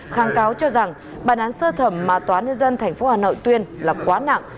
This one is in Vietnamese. kháng cáo cho rằng bản án sơ thẩm mà tòa ninh dân tp hà nội tuyên là quá nặng